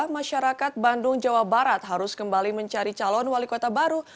masyarakat bandung jawa barat harus kembali mencari calon wali kota baru